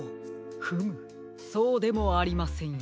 フムそうでもありませんよ。